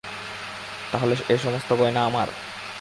– তা হলে এ সমস্ত গয়না আমার?